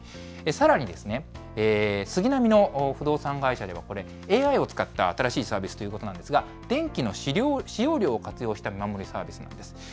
さらに、杉並の不動産会社では、これ、ＡＩを使った新しいサービスということなんですが、電気の使用量を活用した見守りサービスなんです。